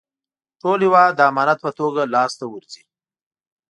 ټول هېواد د امانت په توګه لاسته ورځي.